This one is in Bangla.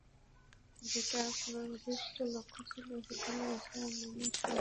যেটা আপনার অভীষ্ট লক্ষ্য ছিল, সেখানে আসা মানে সঙ্গে চাপটাও নিয়ে আসা।